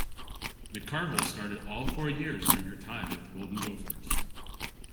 McCarville started all four years during her time with the Golden Gophers.